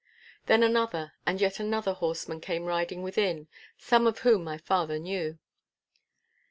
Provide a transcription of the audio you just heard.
Then another and yet another horseman came riding within, some of whom my father knew.